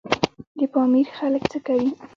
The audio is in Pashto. د پامیر خلک څه کوي؟